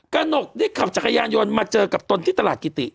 หนกได้ขับจักรยานยนต์มาเจอกับตนที่ตลาดกิติ